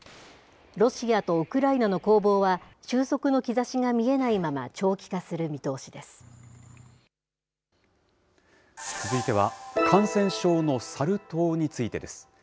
ロシアとウクライナの攻防は、収束の兆しが見えないまま長期化す続いては、感染症のサル痘についてです。